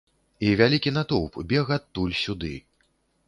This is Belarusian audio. І вялікі натоўп бег адтуль сюды.